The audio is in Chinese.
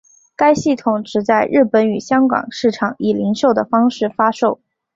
该系统只在日本与香港市场以零售的方式发售。